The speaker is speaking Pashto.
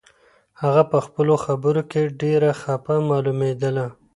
هغه په خپلو خبرو کې ډېره پخه معلومېدله.